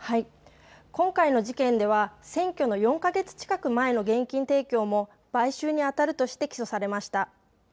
今回の事件では選挙の４か月近く前の現金提供も買収にあたると指摘して起訴されました。